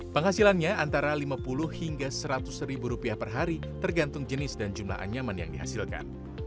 penghasilannya antara lima puluh hingga seratus ribu rupiah per hari tergantung jenis dan jumlah anyaman yang dihasilkan